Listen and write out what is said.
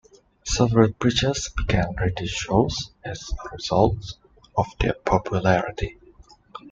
Several preachers began radio shows as a result of their popularity.